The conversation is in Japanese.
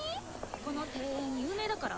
この定演有名だから。